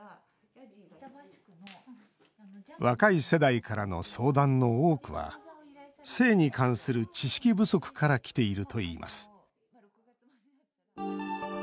若い世代からの相談の多くは性に関する知識不足からきているといいます。